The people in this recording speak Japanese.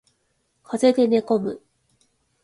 風邪で寝込む